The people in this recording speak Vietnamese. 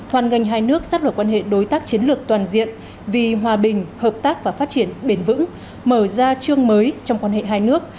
hoàn ngành hai nước sát mở quan hệ đối tác chiến lược toàn diện vì hòa bình hợp tác và phát triển bền vững mở ra chương mới trong quan hệ hai nước